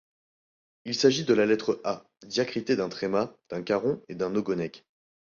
Il s’agit de la lettre A diacritée d’un tréma, d’un caron et d’un ogonek.